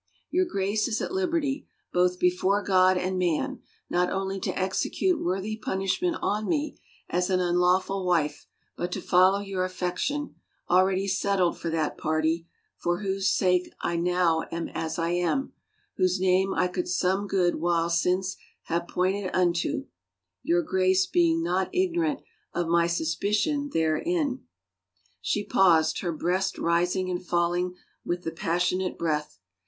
Your Grace is at liberty — both before God and man, not only to execute worthy punishment on me as an unlawful wife, but to follow your affection, already settled for that party, for whose sake I now am as I am, whose name I could some good while since have pointed unto; your Grace being not ignorant of my suspicion there m. She paused, her breast rising and falling with the passionate breath.